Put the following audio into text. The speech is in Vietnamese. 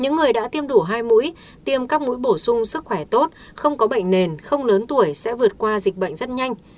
những người đã tiêm đủ hai mũi tiêm các mũi bổ sung sức khỏe tốt không có bệnh nền không lớn tuổi sẽ vượt qua dịch bệnh rất nhanh